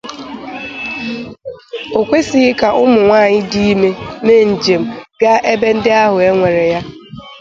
Okwesighị ka ụmụnwaanyị dị ime mee nje m gaa ebe ndị ahụ enwere ya.